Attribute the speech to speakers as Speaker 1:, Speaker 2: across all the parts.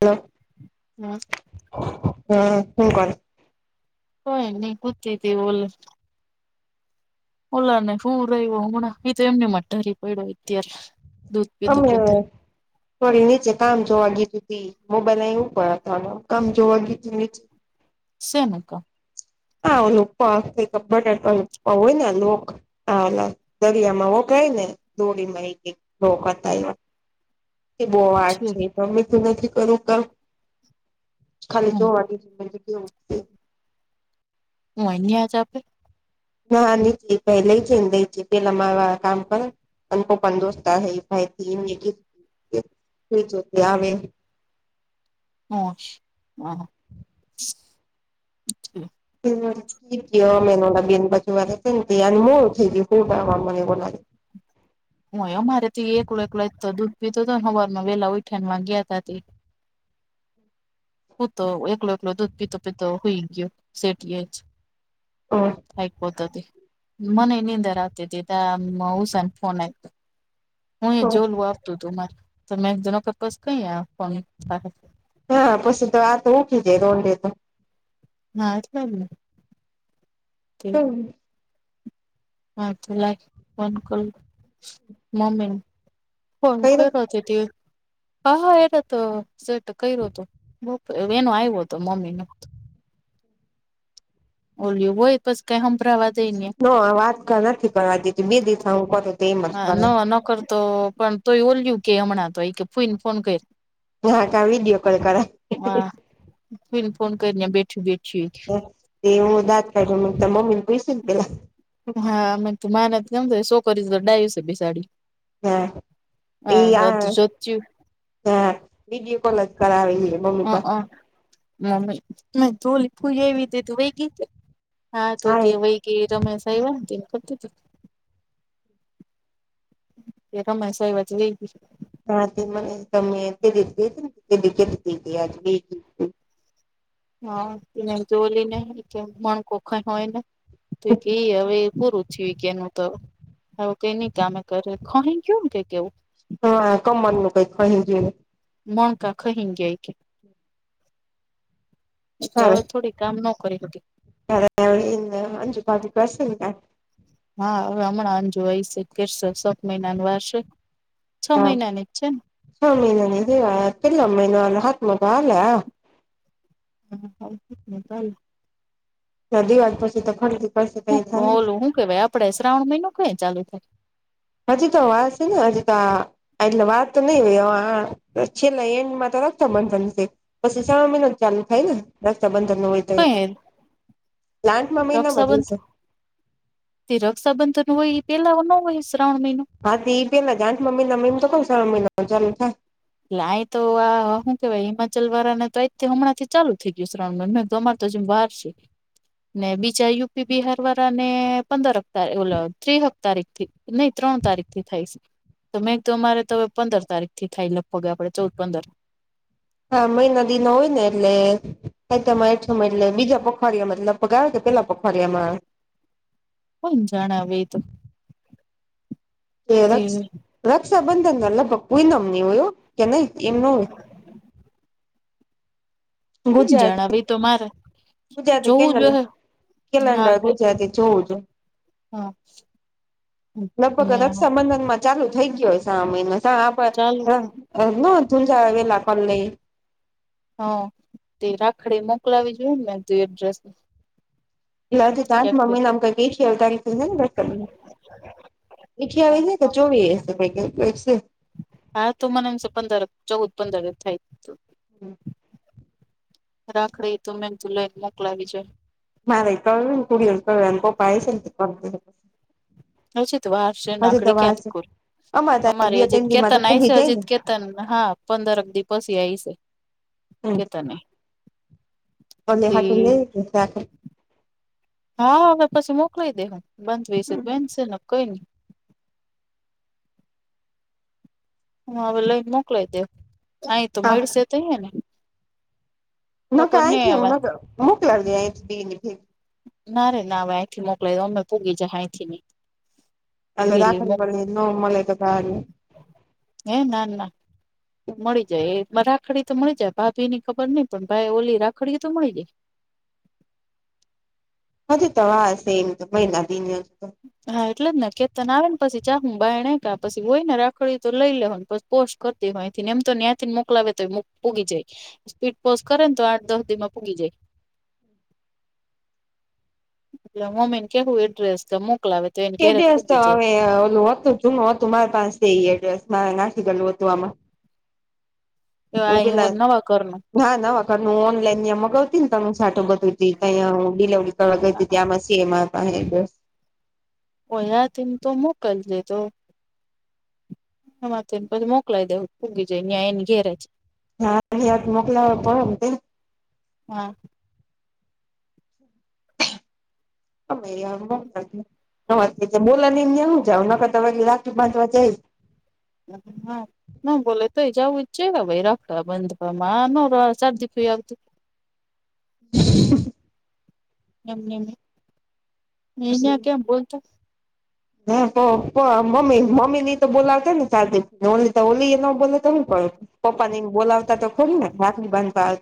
Speaker 1: Hello-
Speaker 2: હમ [inaudible]
Speaker 1: હમ હ કો-
Speaker 2: કોઈ નહી કૂછતી ઓલ- ઓલા ને શું રહ્યો હમણા ઈ તો એમ નય લાગતો કે ડરયો એક દિવસ.
Speaker 1: તમે થોડી નીચે કામ જોવા ગીટી મોબાઈલ અ ઉપર હતા કામ જોવા ગીટી નીચે
Speaker 2: સેના કા
Speaker 1: હા અનુપ્પા કે અપ્ હોય ને આવો નાનો હા અલા દરિયામાં વગાય ને દોડીમાં ઓકાત આયવા. તે બો વાત છે તો તમને તે નથી કરું કર ખાલી
Speaker 2: હમ
Speaker 1: જોવા કે-
Speaker 2: હું અહીંયાજ આપે-
Speaker 1: ના નીચે પહેલે છે દે છે પેલાવા કામ પર- અને પપાન દોસ્ત હ ભાઈથીમ કીધું આવે-
Speaker 2: હા હા-
Speaker 1: મેન બેન બજુવા મોળ થઈ ખબ મને બોનાની-
Speaker 2: હય અમારે થી એકલો એકલા તો દૂધ પીધું હતો ને અવારમાં વેલા ઉઠણ માં ગયા ત-
Speaker 1: હમ-
Speaker 2: પતો એકલો એકલો દૂધ પીતો પીતો હોઈ ગયો સટી જ-
Speaker 1: હ-
Speaker 2: કઈકોતોતી મનેનીંદ રાત હતીી ત ઉસાાન ફોન આ- હું એ જોલું આવતું હતું મારે તો મે એક જનો કપસ કઈ-
Speaker 1: હા પછી તો આતો ઉઠી જાય દોડે તો-
Speaker 2: હા ચાલ-
Speaker 1: હમ-
Speaker 2: હા તો લ બલકુલ મમી- હન કઈ રતી હતી હા હા એટ તો સેટ કઈ રહતો- એનું આવ્યું હતો મમ્મી ન- ઓલયો હોય તોસ કઈ હમભરાવાત-
Speaker 1: હ વાત નથી કરવા દીધી બે દી થા હું- તો એમ જ
Speaker 2: હ
Speaker 1: કરે
Speaker 2: ન નકરતો પણ તોય ઓલય્યું કે હમણાં તોય કે ફૂઈને ફોન કર-
Speaker 1: ના કા વિડીયો કોલ કરા-
Speaker 2: હા ફને ફોન કરીને બેઠું બેઠી-
Speaker 1: તેવું દાત પ મમ્મી પૈશ પેલા-
Speaker 2: હા અ માને કેમ શો કરીશ તો ડાયી છે બેસાડી-
Speaker 1: હ એ
Speaker 2: હા
Speaker 1: આ
Speaker 2: તું જોત્યું
Speaker 1: હ બડી કોલજ કરાવી-
Speaker 2: હ મમ્મી મે ધોલી પૂજ એવી હતી તું વે ગી- હા તો કે વય કે રમેશ આવ કરતી- એક હસ એ વચઈ-
Speaker 1: હા તે મને તમે તેી ને કેજ-
Speaker 2: હા એનેમ જોલી ને મણકો ખઈ હોય ને તો એ હવે પૂરું- જી કેયા ન તો આવું કઈ ન કમે કરે ખહી ગયું કે કેવું-
Speaker 1: હા કમર નું કઈક ક જોયને-
Speaker 2: મણકા ખહી ગયા એ કે થોડીક- કામ ન કરી સુધ-
Speaker 1: હ અંજુ પાકીસન [unintelligible]
Speaker 2: હા હવે હમણાં અંજુય છે કેશે સત મહિનાનું વારશે છ
Speaker 1: હા
Speaker 2: મહિનાની જ છે ને-
Speaker 1: છ મીનનીવા કેલમ ન હા મધ આલા -
Speaker 2: હા ચાલ-
Speaker 1: દવાસ પછી તો ખરી-
Speaker 2: હ ઓલું હું કેવાય આપડે શ્રાવણ મહિનો કઈ ચાલુ થાય.
Speaker 1: હજ તો વાસીને હજ તો. એટલે વાત તો નહી હોય છેલ્લા એન્ડમાં તો રખતાબંધન છે. પછી સા મહિના ચાલુ થાય ને રસ્તા બંધર ન હોય.
Speaker 2: કઈ
Speaker 1: લ્લાંન્ટ મમીનો મજે છે.
Speaker 2: તે રક્ષાબંધન હોય એ પેલા ન હોય શ્રાવણ મહિનો
Speaker 1: હા ઈ પેલા આઠમા મહિનામાં એમ તો કોણ શ્રાવણ મહિનો ચાલુ થાય
Speaker 2: એટલે આ તો આ હું કેવાય હિમાચલ વાળાને તો હમણાં થી ચાલુ થઈ ગયું શ્રાવણ મ મે અર તો જેમ બાર છે ને બીજા યુપી બિહાર વાળા ને પંદર ઓ ત્રક તારીખ થી નહી ત્રણ તારીખ થી થાઈસ મેં તો અમારે ત પંદર તારીખ થી થાય લખોગ આપડે ચૌદ પંદર
Speaker 1: હા મહિના દિ ન હોય ને એટલે હ તમાંઠ એટલે બીજા પખવાડિયા મતબ ગાવ કે પેલા પખવાડિયામાં
Speaker 2: કોણ જાણે એતો.
Speaker 1: એ રક્ષ રક્ષાબંધન લગભગ કોઈ નામનીયો. કે નય એ ન હોય. ગુજરાતી
Speaker 2: જણાવી તો મારે.
Speaker 1: ગુજરાતી કે
Speaker 2: જોવું જોઈએ હા
Speaker 1: કેલેન્ડર
Speaker 2: કે
Speaker 1: ગુજરાતી જોવું તો
Speaker 2: હા
Speaker 1: ના બગ
Speaker 2: ને
Speaker 1: સંબંધાનમાં ચાલુ થઈ ગયોય મહિનો આપડ
Speaker 2: ચાલુ
Speaker 1: ન ઝુંઝા વેલા ક લઈ.
Speaker 2: હા તે રાખડી મોકલાવી જોઈએ ને ત એડ્રેસ.
Speaker 1: એ તાત મહિનામાં થી [unintelligible] અઇઠ્યાવીસ
Speaker 2: ક્યાંક
Speaker 1: કે ચોવી કે.
Speaker 2: હા તો મનેમ છે પંદર ચૌદ પંદર જ થાય.
Speaker 1: હમ.
Speaker 2: રાખડીે તો મે એમ ત લઈને લક લાવી જાય
Speaker 1: મારે કળ ને કુડીઓ ક અને પપ્પ હ છે.
Speaker 2: હજીત વાર છે નાકડી
Speaker 1: વાર
Speaker 2: ક્યાં
Speaker 1: છે
Speaker 2: કુલ
Speaker 1: અમારે તો બે
Speaker 2: અમારી અજીત
Speaker 1: ત્રણ દી માં તો
Speaker 2: કેતા નાઈ
Speaker 1: પૂગી
Speaker 2: છે
Speaker 1: જાય
Speaker 2: અજીત
Speaker 1: ને
Speaker 2: કે તન હા પંદર એક દી પછી આય છે. કેતાને
Speaker 1: ઓલે
Speaker 2: તે
Speaker 1: હાટું લઈ રાખે
Speaker 2: હા હવે પછી મોકલા દે બંધશેન છે ને કઈ નઈ. હું હવે લઈને મોકલાય દે અહી તો
Speaker 1: હા
Speaker 2: મળશે તો ને.
Speaker 1: ન ક
Speaker 2: ખબર નઈ હવે
Speaker 1: આહીંથી મોકલાગહીંથી [unintelligible]
Speaker 2: ના રે ના હવે અહીંથી મોકલાઈ દો અમે ભૂગી જ અંથી બી
Speaker 1: અલ્ દાખલી બ નમલ તોલે [unintelligible]
Speaker 2: હે ના ના. મળી જાય એ રાખડી તો મળી જાય ભાભી ની ખબર નઈ પણ ભાઈ ઓલી રાખડી તો મળી જાય.
Speaker 1: હ તો વા સેમ તો મહિના દિન તો.
Speaker 2: હા એટલે જ ને કેતન આવેને પછી ચ હું બાય પછી હોય ને રાખડી તો લઈ લેને પછ. પોસ્ટ કરતી હોયથીને એમ તો ત્યાં થીને મોકલાવે તો એ પૂગી જાય. સ્પીડ પોઝ કરે ને તો આઠ દસ દિ માં પૂગી જાય.
Speaker 1: હમ.
Speaker 2: એલે મમ્મીને કેવું એડ્રેસ મોકલાવે. તો એને ઘેરે જ
Speaker 1: એડ્રેસ
Speaker 2: પૂગી
Speaker 1: તો
Speaker 2: જાય
Speaker 1: હવે ઓલું હતું જુનું હતું મારી પાસે એ એડ્રેસ મારે નાખ ગયેલું હતું આમાં
Speaker 2: કે
Speaker 1: હું
Speaker 2: અહીં
Speaker 1: પેલા
Speaker 2: નવા કર ન.
Speaker 1: ના ના વખર હું ઓનલાઈન ત્યાંયા મગાવતી ને ત હું સાઠું બધું ત તં ડિલેવરી. ત આમાં સેમાંપાય.
Speaker 2: ઓ હયાંથીને તો મોકલ દેતો. હમાં તોને પછી મોકલાઈ દવ ભૂગી જાય ન્યાં એને ઘેરે
Speaker 1: હા [inaudible] હત મોકલાવે
Speaker 2: હા.
Speaker 1: અમે બોલાનીને હું જાવ નખર [unintelligible] બાંધવા જાય.
Speaker 2: [unintelligible] ના બોલે તોય જવું જ છે ભાઈ રખડ બંધમાં નદી ફ આવતું. એમમ એયા કેમ બોલતા.
Speaker 1: [inaudible] હા મમ્મી મમ્મી ની તો બોલાવતા ને સા ઓલી તો ઓલી એ ન બોલે તોું ક. પપ્પા ને બોલાવતા તો ખોરીને રાખલી બાંધતા.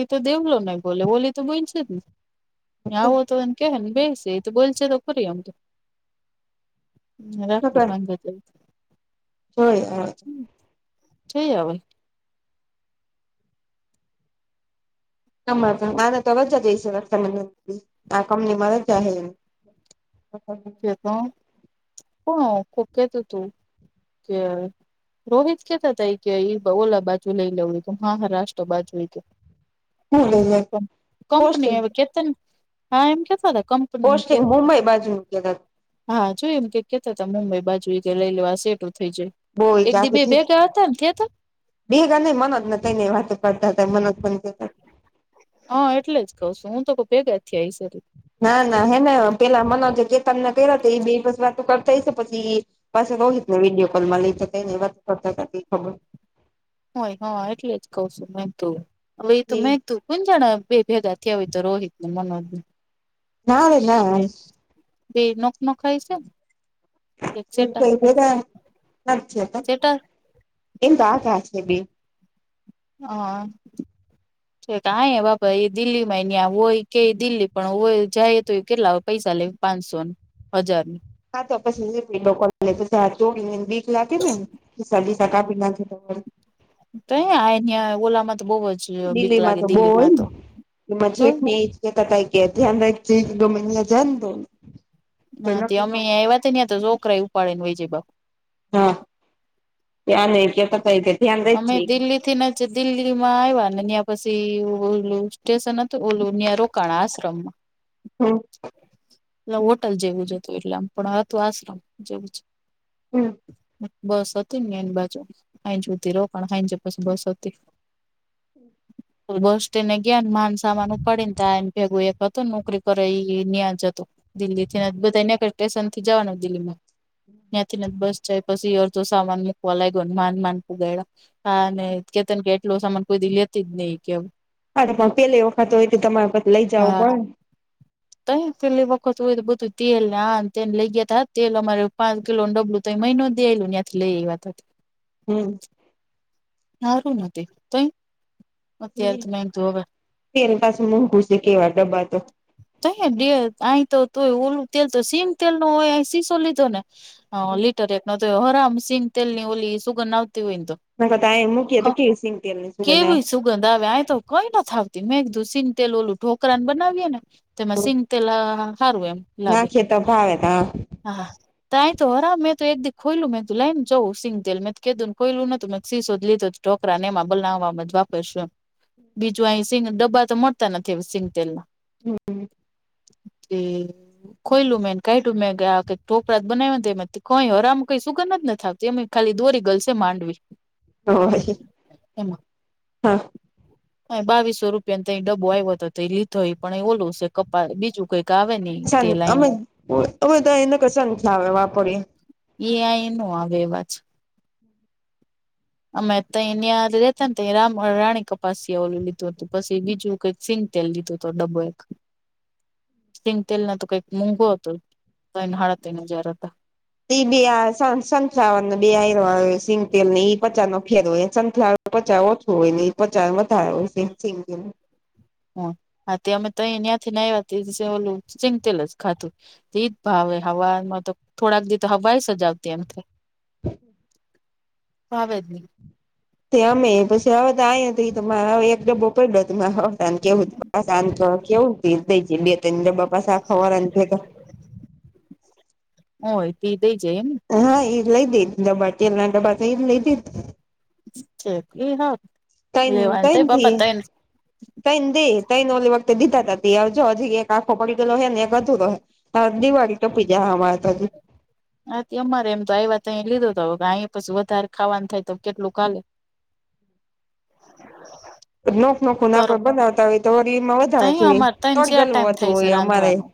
Speaker 2: એ તો દેવલો નહી બોલે ઓોલી તો બોઈ છે જ ને આવો તો એને કે ને બેસે. બોલચ તો ખરી આમ તો રાખડું બાંધ.
Speaker 1: [unintelligible]
Speaker 2: છે હવે.
Speaker 1: તમા આને તો રજા જઈશે આ કંપનીમાં રજા છે એ [inaudible]
Speaker 2: [unintelligible] રોહિત કેતા ત એ કે ઓલા બાજુ લઈ લેડય મહારાષ્ટ્ર બાજુ
Speaker 1: હું લઈ લે પોસ્ટિંગ
Speaker 2: કંપની કે હા એમ કહેતા હતા કંપની કે
Speaker 1: પોસ્ટિંગ મુુંબઈ બાજુ કહેતા હતા.
Speaker 2: હા જોય એમ કે કેતા હતા મુંબઈ બાજુ કે લઈ લેવા સેટું થઈ જાય.
Speaker 1: બહુ
Speaker 2: એક દી
Speaker 1: આખી
Speaker 2: બે ગયા હતા ને કયા હતા.
Speaker 1: [unintelligible] નઈ મન જ ને થઈને વાત કરતા. [unintelligible]
Speaker 2: હ એટલે જ કઉ છું હું તો ભેગા થથી આઈ સ.
Speaker 1: ના ના હે ને પેલા મનો જે કે તનને કર્યો એ બે બસ વાતો કરતા હ છે પછી પાસે તો વિડીયો કોલમાં લઈને વાત કરતા હતા ખબર.
Speaker 2: હોય હા એટલે જ કઉ છું મેં તો હવે એ તો મેં. તું કોણ જાણા બે ભેગા થથીયા તો રોહિત ને મનોજ
Speaker 1: ના રે ના
Speaker 2: બે બે નોખ ન ખાય છે સેટા સેટા
Speaker 1: [unintelligible]
Speaker 2: હા. આ બાપા એ દિલ્હીમાંં હોય કે દિલ્હી પણ હોય જાય તો એ કેટલા પૈસા લે. પાંચસોને હજાર.
Speaker 1: [unintelligible] [unintelligible]
Speaker 2: તો આહં ઓલામાં તો બહુ જ. બીક
Speaker 1: દિલ્હીમાં
Speaker 2: લાગે
Speaker 1: તો બહ
Speaker 2: દિલ્હીમાં
Speaker 1: હોય
Speaker 2: તો
Speaker 1: ને
Speaker 2: તો
Speaker 1: એમાંજક. [unintelligible]
Speaker 2: ના અમેં એ તો છોકરા ઉપાડે ને વ જય બાપ.
Speaker 1: હા ત્યા ન કે ક થઈ.
Speaker 2: અમે દિલ્હી થી ન. પછે દિલ્હી માં આવ્યા ને ત્યાં પછી ઓલું સ્ટેશન હતું ઓલું રોકાણ આશ્રમમાં
Speaker 1: હમ્મ.
Speaker 2: એ હોટલ જેવું જ હતું એટલે આમ પણ હતું આશ્રમ જેવું જ.
Speaker 1: હમ્મ.
Speaker 2: બસ હતી ને એની બાજુ આ જુદી રોકા ખાઈ પછી બસ હતી.
Speaker 1: [inaudible]
Speaker 2: બસને ગયા ને માનસામાન ઉપાડી નેાય એને ભેગું એક હતુંને નોકરી. પર એ ન્યા જતો દિલ્હી થી બધાં સ્ટેશન થી જવાનું દિલ્હીમાં. ત્યાંથીને બસ જાય પછી અડધો સામાન મૂકવા લાગ્યો ને માન માન ફગાલા. હા કેતન કે એટલો સામાન કોઈ લેતી જ નહી કે
Speaker 1: હા તો પણ પેલી વખત હોય તો તમારે પછી લઈ જાવું પડે.
Speaker 2: ત પહેલી વખત હોય તો બધું તેલ ને આ તેને લઈ ગયા ત તેલ અમારે પાંચ કિલો ડબલું. તો મહિનો દેલ ત્યાંથી લઈ એ વાત.
Speaker 1: હમ્મ.
Speaker 2: સારું નથી કઈ
Speaker 1: [unintelligible] તેની પાસે મોંઘુ છે કેવા ડબ્બા તો
Speaker 2: ત અહી તો તું ઓલું તેલ તો સિંગ તેલ નો હોય સીસો લીધો ને. હા લીટર એક ન તો હરામ સિંગ તેલ ની ઓલી સુગંધ ના આવતી હોય ને તો.
Speaker 1: [unintelligible] કઈ મૂકીએ તો કી સિંગ તેલ ને શું બનાવા.
Speaker 2: ગંધ આવે આ તો કઈ નથી આવતી મેં એક ધૂસીને તેલ ઓલું ઠોકરાને બનાવીએ ને તેમાં સિંગતેલા આ હારુ એમ લાગે
Speaker 1: નાખીએ તો ભાવે તા
Speaker 2: હા. તો હરા મેં તો એક દી ખોલું મેં તું લઈ ને જઉં સિંગતેલ મેં કીધુંનેયલું નતું મેં સીશોધ લીધું. ઢોકળા ને આમ બોલવા વધવા [unintelligible] બીજું અહીં સિંગ ડબ્બા તો મળતા નથી સિંગતેલ ના.
Speaker 1: હમ્મ.
Speaker 2: તે ખોયલું મે કાયધુ મે આ ઠોકરા જ બનાવ્યા કઈ હરામ કઈ સુગંધ જ ના થી આવતી. જેમ ખાલી દોરી ગલસે માંડવી.
Speaker 1: [unintelligible]
Speaker 2: એમાં.
Speaker 1: હા.
Speaker 2: અ બાવીસો રૂપિયા ને તઈ ડાબુ આવ્યો હતો તો લીધો એ પણ એ ઓલું કપ બીજું કંઈક આવે ને ઈ
Speaker 1: શ
Speaker 2: તે લાઈન
Speaker 1: અમે અવે તો એને કશ આવે વાપરીએ.
Speaker 2: એ આઈ નો આવે આવજ. અમે તં રેતા ને ત રાણી કપાસી ઓલું લીધું હતું પછી બીજું કઈ સિંગતેલ લીધું હતો ડબ્બો એક.
Speaker 1: [inaudible]
Speaker 2: સિંગ તેલ ના તો કઈક મોંઘો હતો તો હાડ તીન હજાર હતા.
Speaker 1: તી બી આ સન સનફ્લાવર ન બે આ આયરો આ સિંગતેલ ને પચાર નો ફેરવ નો સનફ્લાવર પચાવ ઓછું હોય નહિ ને પચાવ વધારે હોય સિંગ સીંગતેલ.
Speaker 2: હ હા તે અમે તો ત્યાં થી ના આવ ઓલું ચિંગતેલ જ ખાધું. એજ ભાવે હવામાં તો થોડાક દિવ તો હવાય સજાવતી એમ થે.
Speaker 1: [unintelligible]
Speaker 2: અવેજ જ નહી.
Speaker 1: તે અમે પછી હવે તો આઈ ત તો એક ડબ્બો પડ્યોતાને કેવું હતું. આ સાંત તો કેવુ [unintelligible] બે ત્રણ ડાબા
Speaker 2: હોય તે થઈ જ એમ.
Speaker 1: હા એ લઈ દેત ડબ્બા તેલ ના ડબ્બા તો એ લઈ દેત.
Speaker 2: છે એ હ
Speaker 1: તઈણ તઈ ના થી. તૈને દે તૈને ઓલી વખતે દીધા ત ત જો હજી એક આંખો પડી ગેલો હે ને એક અધુરો હે. હા દિવાળી તો પીજા હમારા [unintelligible]
Speaker 2: હા તે અમારે એમ તો આ વાત અહી લીધો તો કે અહી પછી વધારે ખાવાનું થાય તો કેટલું ખાલે
Speaker 1: [unintelligible]
Speaker 2: [unintelligible]
Speaker 1: નોખ નખું
Speaker 2: તર
Speaker 1: નાડ બનાવતા હોય તો વ એમાં વધારે
Speaker 2: તઈ
Speaker 1: જો હોઈ.
Speaker 2: અમારે તને
Speaker 1: તળ
Speaker 2: જ્યાં
Speaker 1: ગલું
Speaker 2: ટાઈમ
Speaker 1: વધું
Speaker 2: થાય છે
Speaker 1: હોય અમારે
Speaker 2: રાંધવાનું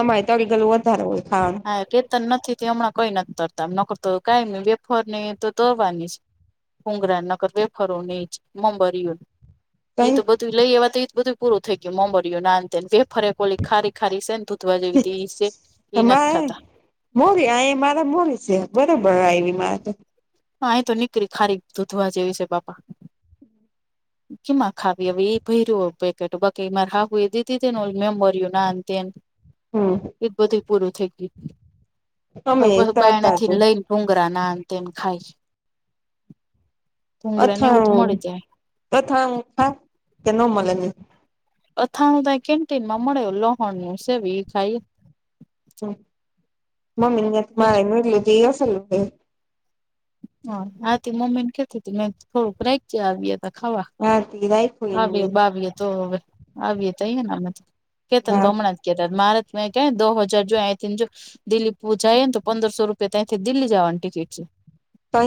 Speaker 1: અમારે તળી ગલું વધારે હોય ખાવાનું.
Speaker 2: હા કેતન નથી હમણાં કઈ નથી તરતામ નકરતો કઈ વેફર ને તોરવાની જ ભુગરા ન ક તો વેફરો ને ઇજ મમરીયો. એ તો
Speaker 1: કઈ
Speaker 2: બધું લઈ આવવા તો એ બધું પૂરું થઈ ગયું મોબરીયું ને આ તે. ફરે કોલી ખારી ખારી છે ને ધૂધવા જેવી તે છે. એ
Speaker 1: તા
Speaker 2: નથી
Speaker 1: મારે
Speaker 2: ખાતા
Speaker 1: મોરી આ મારા મોરી છે બરોબર આવી મારે તો.
Speaker 2: અહી તો નીકળી ખારી દૂધવા જેવી છે બાપા.
Speaker 1: [inaudible]
Speaker 2: કેમાં ખાવી હવે એ ભય રહ્યું પેકેટ બાકી એ મારે હા હું એ દીધી મેમરઓ [unintelligible]
Speaker 1: હમ્મ.
Speaker 2: એ બધું પૂરું થઈ
Speaker 1: અમે
Speaker 2: ગયું હ
Speaker 1: તરતા
Speaker 2: બાયણથીને
Speaker 1: છું
Speaker 2: લઈ. ભૃગરા ના તેમ ખાય છે.
Speaker 1: અથાણું અથાણું ખાવ ન મળે.
Speaker 2: અથાણું ત કેન્ટીન માં મળ્યો લોહણ નું સેવી ખાઈ.
Speaker 1: હ મમી
Speaker 2: બીજું
Speaker 1: મારેટલો જસલે [inaudible]
Speaker 2: હ આતી મમ્મીને કહેતી તી મેં થોડુંક રાેક આવ હતી. ખાવા
Speaker 1: હા તે રાખ્યું એને
Speaker 2: આવી બાવી તો હવે. આવી એ ત‌ઇ કેતન તો
Speaker 1: હા
Speaker 2: હમણાં જ કેતા મારેત મેં ક દો હજાર જો આથી જો. દિલ્હી પહોચાય તો પંદરસો રૂપિયા ત્યાંથી દિલ્હી જવાની ટિકિટ છે.
Speaker 1: ત‌ઇ.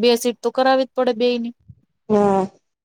Speaker 2: બે સીટ તો કરાવવી જ પડે બે ની.
Speaker 1: હા.